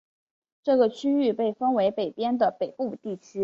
这个区域被分为北边的北部地区。